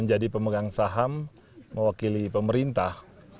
ini sudah ada yang menurut saya yang menurut saya ini bisa menjadi pemerintah